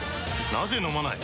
なぜ飲まない？